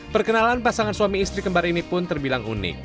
perkenalan pasangan suami istri kembar ini pun terbilang unik